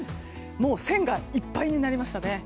線がいっぱいになりましたね。